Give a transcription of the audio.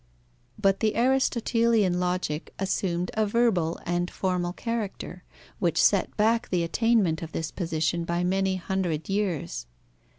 But the Aristotelian logic assumed a verbal and formal character, which set back the attainment of this position by many hundred years.